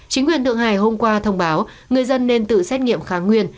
chính quyền thượng hải hôm qua thông báo người dân nên tự xét nghiệm kháng nguyên